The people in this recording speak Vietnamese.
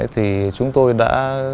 thì chúng tôi đã